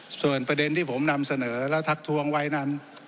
ส่วนประเด็นที่ผมนำเสนอและทักทวงไว้นั้น